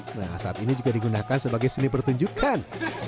nah saat ini juga digunakan sebagai seni pertunjukan